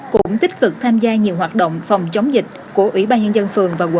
cũng tích cực tham gia nhiều hoạt động phòng chống dịch của ủy ban nhân dân phường và quận